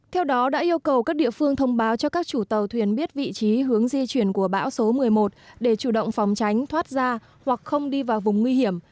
theo đó đã yêu cầu các địa phương thông báo cho các chủ tàu thuyền biết vị trí hướng di chuyển của bão số một mươi một để chủ động phòng tránh thoát ra hoặc không đi vào vùng nguy hiểm